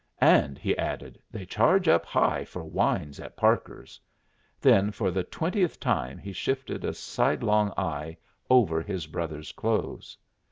"And," he added, "they charge up high for wines at Parker's." Then for the twentieth time he shifted a sidelong eye over his brother's clothes.